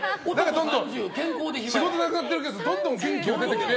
仕事なくなってるけどどんどん健康になってきて。